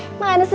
tidak ada senyum